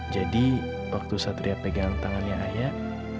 jadi waktu satria pegang tangannya ayah